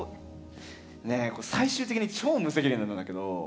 最終的に超無責任なんだけど。